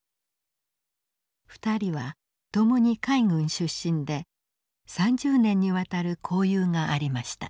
２人は共に海軍出身で３０年にわたる交友がありました。